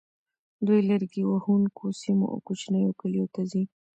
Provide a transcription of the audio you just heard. دوی لرګي وهونکو سیمو او کوچنیو کلیو ته ځي